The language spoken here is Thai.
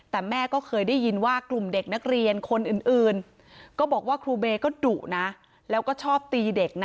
แต่แม่ก็เคยได้ยินว่ากลุ่มเด็กนักเรียนคนอื่นก็บอกว่าครูเบย์ก็ดุนะแล้วก็ชอบตีเด็กนะ